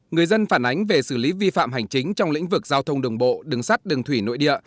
người dân phản ánh về xử lý vi phạm hành chính trong lĩnh vực giao thông đồng bộ đứng sát đường thủy nội địa